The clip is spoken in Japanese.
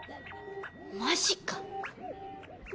マジか。